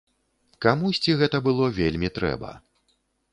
Камусьці гэта было вельмі трэба.